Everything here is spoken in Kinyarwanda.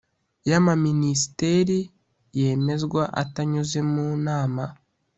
y Amaminisiteri yemezwa atanyuze mu Nama